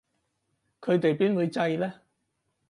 佢哋邊會䎺呢